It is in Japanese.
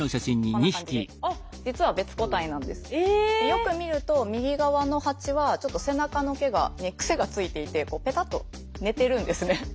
よく見ると右側のハチはちょっと背中の毛がね癖がついていてペタッと寝てるんですね。